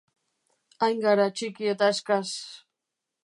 Hain gara txiki eta eskas!